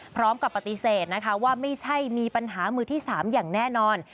พร้อมกับปฏิเสธนะคะว่าไม่ใช่มีปัญหามือที่๓อย่างแน่นอน